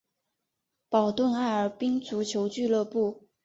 保顿艾尔宾足球俱乐部。